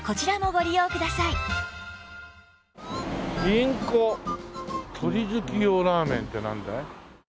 「インコ鳥好き用ラーメン」ってなんだい？